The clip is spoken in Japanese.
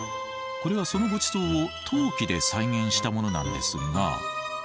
これはそのご馳走を陶器で再現したものなんですが。